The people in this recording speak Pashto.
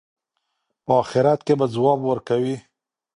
په آخرت کې به ځواب ورکوئ.